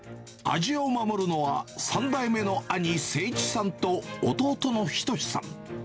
味を守るのは、３代目の兄、誠一さんと弟の仁さん。